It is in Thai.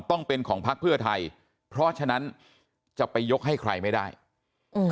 ต้องเป็นของพักเพื่อไทยเพราะฉะนั้นจะไปยกให้ใครไม่ได้อืม